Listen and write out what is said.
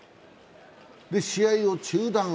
試合を中断。